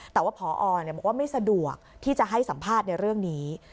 แต่ว่าพอบอกว่าไม่สะดวกที่จะให้สัมภาษณ์ในเรื่องนี้